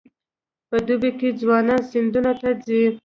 په دوبي کې ځوانان سیندونو ته ځي.